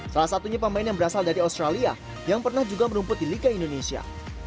salah satunya pemain yang berasal dari australia yang pernah juga merumput di liga indonesia